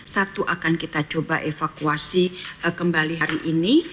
satu akan kita coba evakuasi kembali hari ini